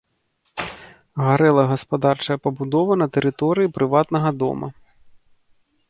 Гарэла гаспадарчая пабудова на тэрыторыі прыватнага дома.